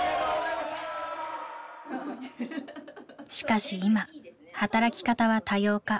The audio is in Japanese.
しかし今働き方は多様化。